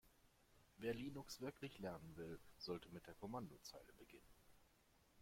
Wer Linux wirklich lernen will, sollte mit der Kommandozeile beginnen.